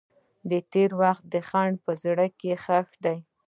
د تېر وخت خندا په زړګي کې ښخ ده.